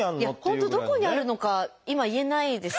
本当どこにあるのか今言えないです